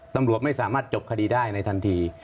ตำรวจไม่สามารถจบคดีได้ในทันที